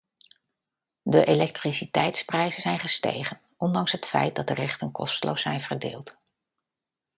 De elektriciteitsprijzen zijn gestegen, ondanks het feit dat de rechten kosteloos zijn verdeeld.